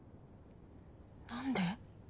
何で。